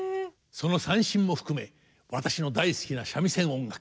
その三線も含め私の大好きな三味線音楽